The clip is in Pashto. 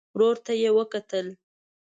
ورور ته يې وکتل.